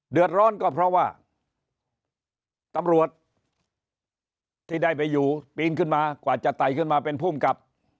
เดือดร้อนก็เพราะว่าตำรวจที่ได้ไปอยู่ปีนขึ้นมากว่าจะไต่ขึ้นมาเป็นภูมิกับ